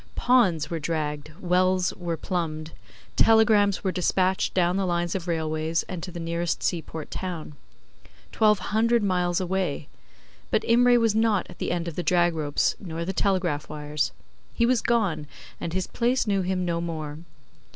Ponds were dragged, wells were plumbed, telegrams were despatched down the lines of railways and to the nearest seaport town twelve hundred miles away; but Imray was not at the end of the drag ropes nor the telegraph wires. He was gone, and his place knew him no more.